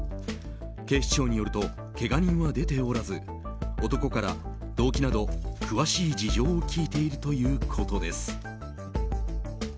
警視庁によるとけが人は出ておらず男から動機など詳しい事情を聴いているということです。